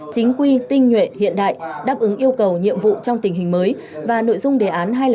chính quy tinh nhuệ hiện đại đáp ứng yêu cầu nhiệm vụ trong tình hình mới và nội dung đề án hai trăm linh năm